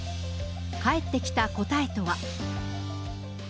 返ってきた答えとは。